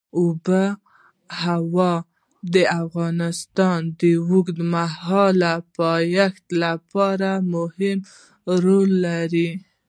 آب وهوا د افغانستان د اوږدمهاله پایښت لپاره مهم رول لري.